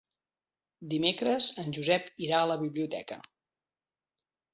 Dimecres en Josep irà a la biblioteca.